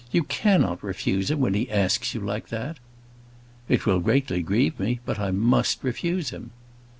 "You cannot refuse him when he asks you like that." "It will greatly grieve me; but I must refuse him."